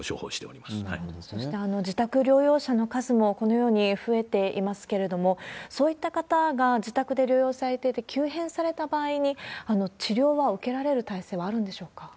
それから、自宅療養者の数も、このように増えていますけれども、そういった方が自宅で療養されてて、急変された場合に、治療は受けられる体制はあるんでしょうか。